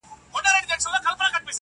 پښتې ستري تر سترو، استثناء د يوې گوتي.